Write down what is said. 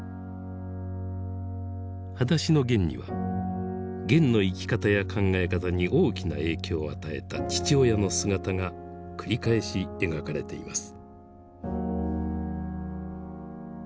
「はだしのゲン」にはゲンの生き方や考え方に大きな影響を与えた父親の姿が繰り返し描かれています。